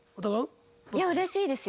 いや嬉しいですよ。